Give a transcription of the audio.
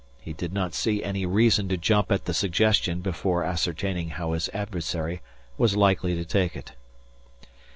He did not see any reason to jump at the suggestion before ascertaining how his adversary was likely to take it.